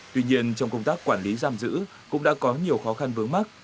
tuy nhiên trong công tác quản lý giam giữ cũng đã có nhiều khó khăn vướng mắt